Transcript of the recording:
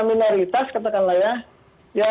minoritas katakanlah ya